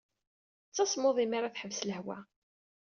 D tasmuḍi mi ara teḥbes lehwa.